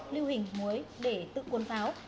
lưu hình muối để tự cuốn pháo